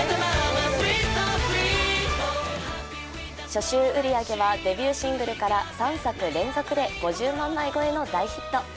初週売り上げはデビューシングルから３作連続で５０万枚超えの大ヒット。